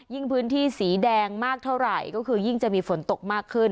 พื้นที่สีแดงมากเท่าไหร่ก็คือยิ่งจะมีฝนตกมากขึ้น